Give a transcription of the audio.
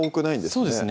そうですね